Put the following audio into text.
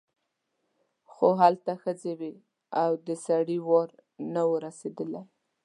خو هلته ښځې وې او د سړي وار نه و رسېدلی.